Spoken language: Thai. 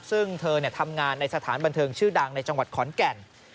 ซึ่งเธอทำงานในสถานบันเทิงชื่อดังในจังหวัดขอนแก่น